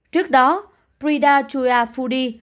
trước đó prida chua fu di